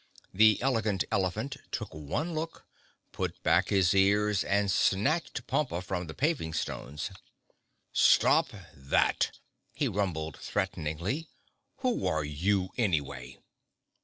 The Elegant Elephant took one look, put back his ears and snatched Pompa from the paving stones. "Stop that!" he rumbled threateningly. "Who are you anyway?"